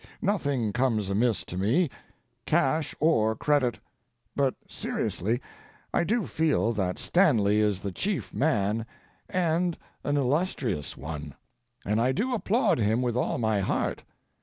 Nothing comes amiss to me—cash or credit; but, seriously, I do feel that Stanley is the chief man and an illustrious one, and I do applaud him with all my heart.